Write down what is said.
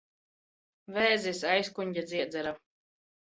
Vēzis. Aizkuņģa dziedzera.